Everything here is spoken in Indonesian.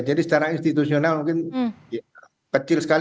jadi secara institusional mungkin kecil sekali